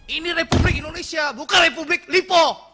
ini republik indonesia bukan republik lipo